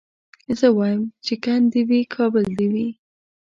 زه وايم چي کند دي وي کابل دي وي